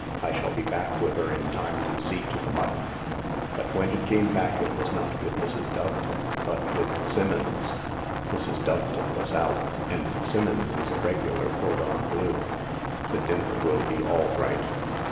I shall be back with her in time to see to the mutton." But when he came back it was not with Mrs. Doveton, but with Simmons. " Mrs. Doveton was out— ^nd Simmons is a regular cordon bleu. The dinner will be all right."